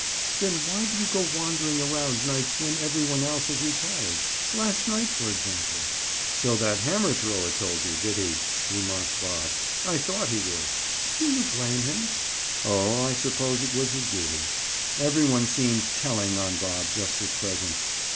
"Then why do you go wandering around nights when every one else has retired? Last night, for example?" "So that hammer thrower told you, did he?" remarked Bob. "I thought he would." "Do you blame him?" "Oh, I suppose it was his duty." Every one seemed "telling" on Bob just at present.